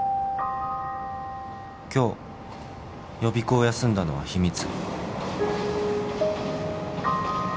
「今日予備校を休んだのは秘密」